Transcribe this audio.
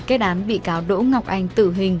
kết án bị cáo đỗ ngọc anh tử hình